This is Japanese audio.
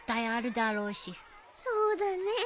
そうだねえ。